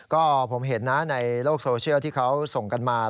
ก็ผมเห็นนะในโลกโซเชียลที่เขาส่งกันมา